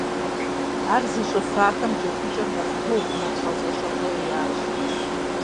Ар зыщӀыфахэм джэгукӀэр нэхъ гугъу, нэхъ гъэзэщӀэгъуей ящӀ.